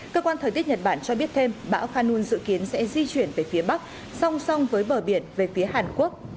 cơ quan thời tiết nhật bản cho biết thêm bão khanun dự kiến sẽ di chuyển về phía bắc song song với bờ biển về phía hàn quốc